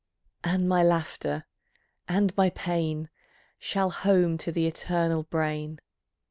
And my laughter, and my pain, Shall home to the Eternal Brain.